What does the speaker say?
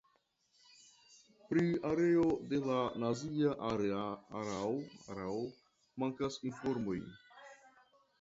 Pri erao de la nazia erao mankas informoj.